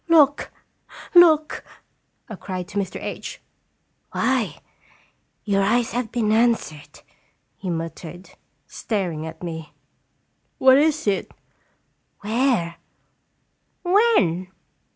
" Look ! Look !" I cried to Mr. H . "Why! Your eyes have been answered!" he muttered, staring at me. "What is it?" "Where?" "When?"